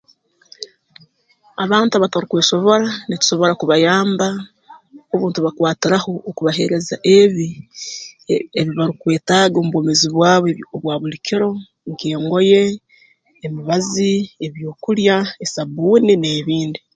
Abantu abatarukwesobora nitusobora kubayamba obu ntubakwatiraho okubaheereza ebi ebi ebibarukwetaaga omu bwomeezi bwabo obwa buli kiro nk'engoye emibazi ebyokulya esabbuuni n'ebindi